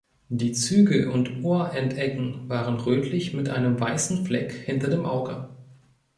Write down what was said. Die Zügel und Ohrendecken waren rötlich mit einem weißen Fleck hinter dem Auge.